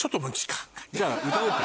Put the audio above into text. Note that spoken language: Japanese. じゃあ歌おうか。